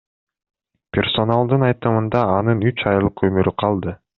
Персоналдын айтымында анын үч айлык өмүрү калды.